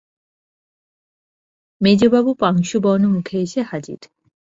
মেজোবাবু পাংশুবর্ণ মুখে এসে হাজির।